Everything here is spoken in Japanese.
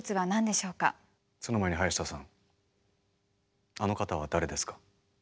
その前に林田さんあの方は誰ですか？